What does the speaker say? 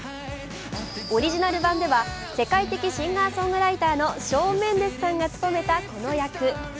オリジナル版では世界的シンガーソングライターのショーン・メンデスさんが務めたこの役。